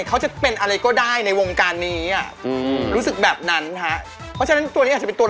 เค้าจะเป็นอะไรก็ได้ในวงการนี้